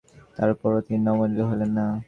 তারপরও তিনি নমনীয় হলেন না।